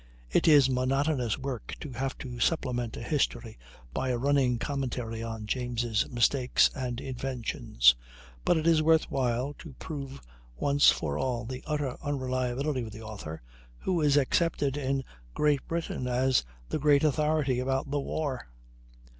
It is monotonous work to have to supplement a history by a running commentary on James' mistakes and inventions; but it is worth while to prove once for all the utter unreliability of the author who is accepted in Great Britain as the great authority about the war.